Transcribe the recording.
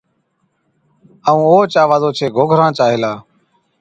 ائُون اوهچ آواز اوڇي گھوگھران چا هِلا۔